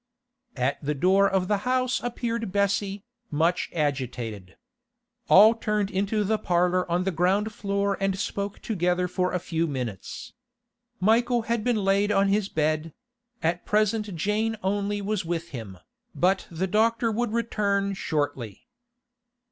At the door of the house appeared Bessie, much agitated. All turned into the parlour on the ground floor and spoke together for a few minutes. Michael had been laid on his bed; at present Jane only was with him, but the doctor would return shortly.